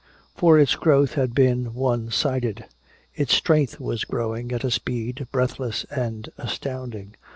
For its growth had been one sided. Its strength was growing at a speed breathless and astounding.